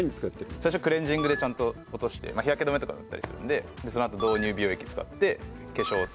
最初クレンジングでちゃんと落として日焼け止めとか塗ったりするんでそのあと導入美容液使って化粧水